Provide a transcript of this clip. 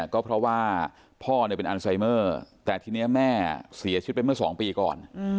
ก็เพราะว่าพ่อเป็นอันไซเมอร์แต่ทีนี้แม่เสียชีวิตไปเมื่อ๒ปีก่อน